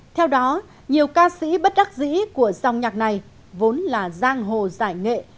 theo đó nhiều ca sĩ bất đắc dĩ của dòng nhạc này vốn là giang hồ giải nghệ